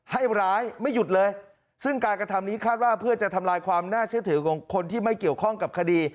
ให้ร้ายไม่หยุดเลยซึ่งการกระทำนี้คาดว่าเพื่อจะทำลายความน่าเชื่อถือของคนที่ไม่เกี่ยวข้องกับคดี